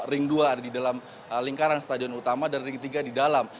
ring dua ada di dalam lingkaran stadion utama dan ring tiga di dalam